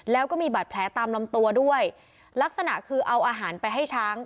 แล้วก็มีบาดแผลตามลำตัวด้วยลักษณะคือเอาอาหารไปให้ช้าง